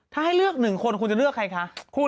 ถ้าให้เลือก๑คนคุณจะเลือกใครคะ